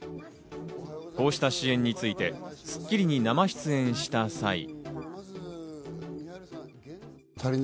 こうした支援について、『スッキリ』に生出演した際。